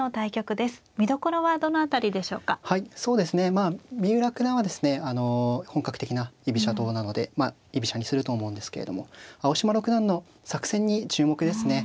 まあ三浦九段はですねあの本格的な居飛車党なのでまあ居飛車にすると思うんですけれども青嶋六段の作戦に注目ですね。